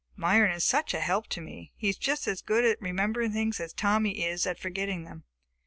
Myron is such a help to me. He is just as good at remembering things as Tommy is at forgetting them."